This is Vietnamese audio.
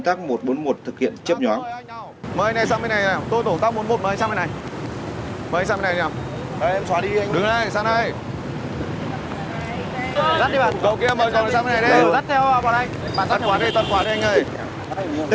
tôi nhắc nhở thôi